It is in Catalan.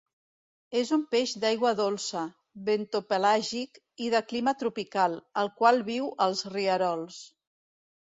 És un peix d'aigua dolça, bentopelàgic i de clima tropical, el qual viu als rierols.